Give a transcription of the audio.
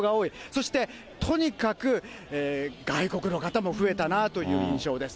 そしてとにかく外国の方も増えたなという印象です。